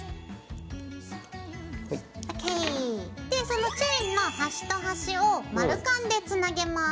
でそのチェーンの端と端を丸カンでつなげます。